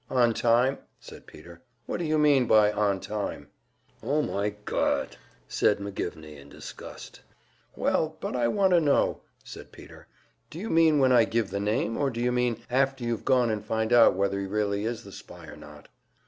"On time?" said Peter. "What do you mean by `on time'?" "Oh, my God!" said McGivney, in disgust. "Well, but I want to know," said Peter. "D'you mean when I give the name, or d'you mean after you've gone and found out whether he really is the spy or not?"